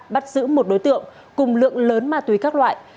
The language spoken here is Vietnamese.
bắt giữ một đối tượng cùng lượng lớn ma túy các loại